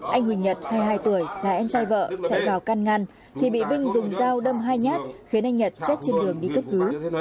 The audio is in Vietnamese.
anh huỳnh nhật hai mươi hai tuổi là em trai vợ chạy vào can ngăn thì bị vinh dùng dao đâm hai nhát khiến anh nhật chết trên đường đi cấp cứu